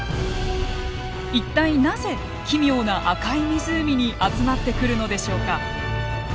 一体なぜ奇妙な赤い湖に集まってくるのでしょうか。